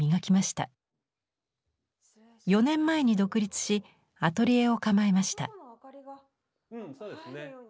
４年前に独立しアトリエを構えました。